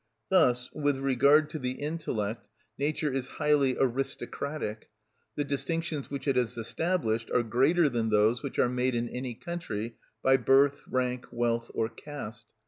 Thus, with regard to the intellect nature is highly aristocratic. The distinctions which it has established are greater than those which are made in any country by birth, rank, wealth, or caste.